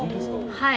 はい。